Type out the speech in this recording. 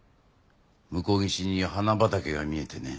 向こう岸に花畑が見えてね。